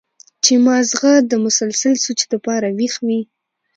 چې مازغه د مسلسل سوچ د پاره وېخ وي